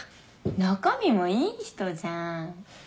中身もいい人じゃん。